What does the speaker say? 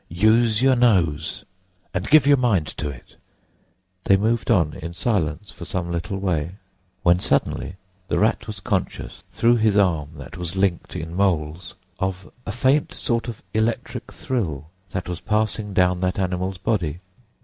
Use your nose, and give your mind to it." They moved on in silence for some little way, when suddenly the Rat was conscious, through his arm that was linked in Mole's, of a faint sort of electric thrill that was passing down that animal's body.